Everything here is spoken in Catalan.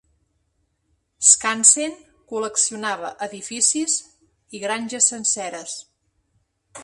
Skansen col·leccionava edificis i granges senceres.